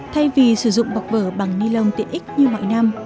thay vì sử dụng bọc vở bằng ni lông tiện ích như mọi năm